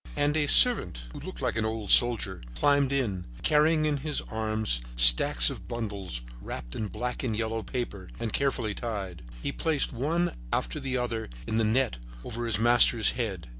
And a servant, who looked like an old soldier, climbed in, carrying in his arms a stack of bundles wrapped in black and yellow papers and carefully tied; he placed one after the other in the net over his master's head.